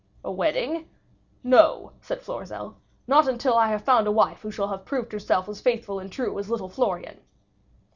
"A wedding? No," said Florizel, "not till I have found a wife who shall have proved herself as faithful and true as little Florian."